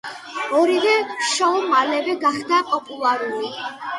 ორივე შოუ მალევე გახდა პოპულარული.